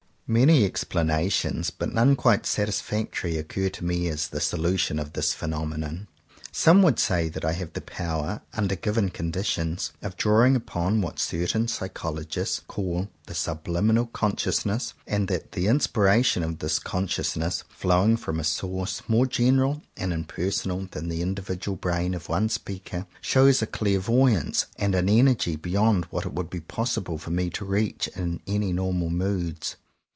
Many explanations, but none quite satis factory, occur to me as the solution of this phenomenon. Some would say that I have the power, under given conditions, of drawing upon what certain psychologists call the subliminal consciousness and that the inspiration of this consciousness, flowing from a source more general and impersonal than the individual brain of one speaker, 136 JOHN COWPER POWYS shows a clairvoyance and an energy beyond what it would be possible for me to reach in any normal moods.